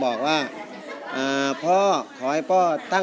ล้อมได้ให้ร้าน